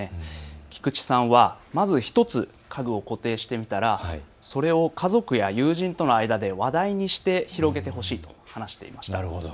菊池さんはまず１つ、家具を固定してみたらそれを家族や友人との間で話題にして広げてほしいと話していました。